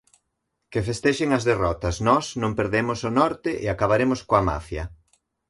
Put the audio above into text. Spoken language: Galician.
Que festexen as derrotas, nós non perderemos o Norte e acabaremos coa mafia.